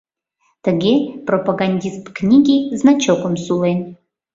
Тыге «Пропагандист книги» значокым сулен.